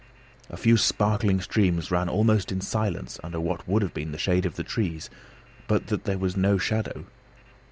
A few sparkling streams ran almost in silence under what would have been the shade of the trees, but that there was no shadow.